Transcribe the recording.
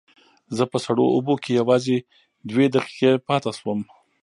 زه په سړو اوبو کې یوازې دوه دقیقې پاتې شوم.